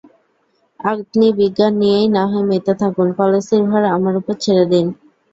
আপনি বিজ্ঞান নিয়েই না হয় মেতে থাকুন, পলিসির ভার আমাদের উপর ছেড়ে দিন!